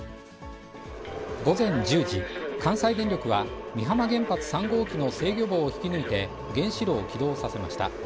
午前１０時、関西電力は美浜原発３号機の制御棒を引き抜いて、原子炉を起動させました。